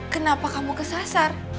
kenapa kamu kesasar